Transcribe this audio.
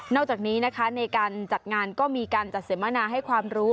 จากนี้นะคะในการจัดงานก็มีการจัดเสมนาให้ความรู้